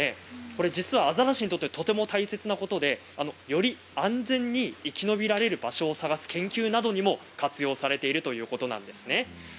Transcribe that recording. これは実はアザラシにとってとても大切なことでより安全に生き延びられる場所を見つける研究にも活用されているということなんですね。